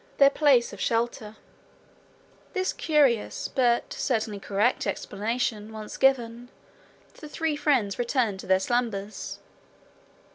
THEIR PLACE OF SHELTER This curious but certainly correct explanation once given, the three friends returned to their slumbers.